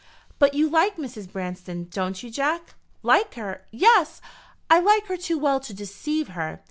"But you like Mrs. Branston, don't you, Jack?" "Like her? Yes, I like her too well to deceive her.